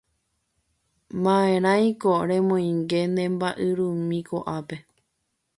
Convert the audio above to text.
Ma'erãiko remoinge ne mba'yrumýi ko'ápe